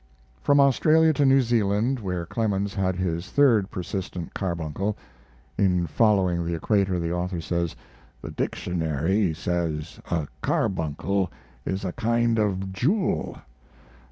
From Australia to New Zealand where Clemens had his third persistent carbuncle, [In Following the Equator the author says: "The dictionary says a carbuncle is a kind of jewel.